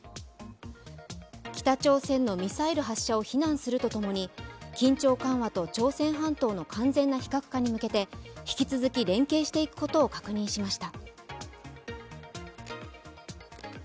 北朝鮮のミサイル発射を非難するとともに、緊張緩和と朝鮮半島の完全な非核化に向けて引き続き連携していくことを確認しました。